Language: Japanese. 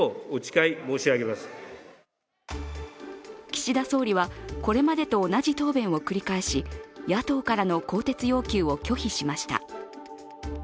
岸田総理はこれまでと同じ答弁を繰り返し野党からの更迭要求を拒否しました。